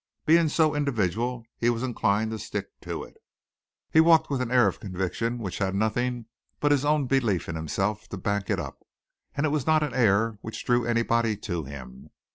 Being so individual he was inclined to stick to it. He walked with an air of conviction which had nothing but his own belief in himself to back it up, and it was not an air which drew anybody to him.